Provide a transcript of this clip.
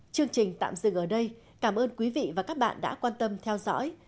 chương trình tạm dừng ở đây cảm ơn quý vị và các bạn đã quan tâm theo dõi